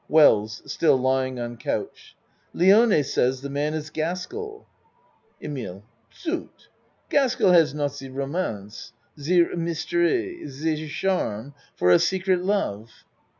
WELLS (Still lying on couch.) Lione says the man is Gaskell. EMILE Zut! Gaskell has not ze romanse ze mystery ze charm for a secret love.